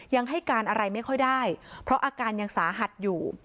ยังให้การอะไรไม่ค่อยได้เพราะอาการยังสาหัสอยู่